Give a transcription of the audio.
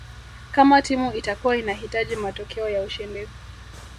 Kama timu itakua inahitaji matokeo ya ushindi